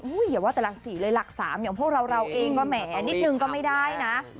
จะว่าแหว่นตรงนี้หลักสามอย่างพวกเราเองนิดนึงก็ไม่ได้นะ